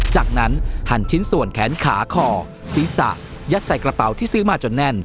จากนั้นหันชิ้นส่วนแขนขาคอศีรษะยัดใส่กระเป๋าที่ซื้อมาจนแน่น